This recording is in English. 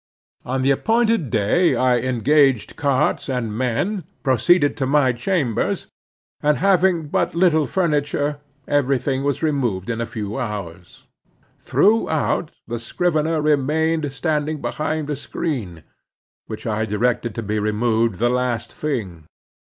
On the appointed day I engaged carts and men, proceeded to my chambers, and having but little furniture, every thing was removed in a few hours. Throughout, the scrivener remained standing behind the screen, which I directed to be removed the last thing.